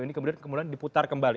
ini kemudian diputar kembali